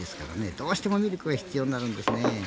どうしてもミルクが必要になるんですね。